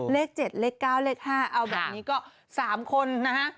เลข๗เลข๙เลข๕เอาแบบนี้ก็๓คนนะฮะ